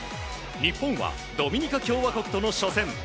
日本はドミニカ共和国との初戦。